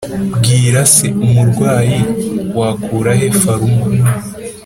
mbwira se murwayi wakura he faruma